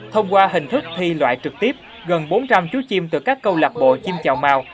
thông qua hình thức thi loại trực tiếp gần bốn trăm linh chú chim từ các câu lạc bộ chim chào mao